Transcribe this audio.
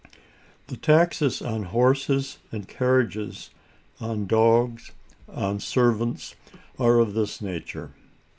The taxes on horses and carriages, on dogs, on servants, are of this nature.